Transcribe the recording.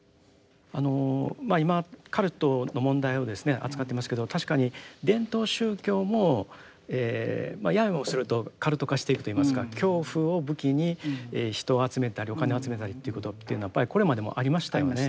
あのまあ今カルトの問題を扱っていますけど確かに伝統宗教もややもするとカルト化していくといいますか恐怖を武器に人を集めたりお金を集めたりということっていうのはやっぱりこれまでもありましたよね。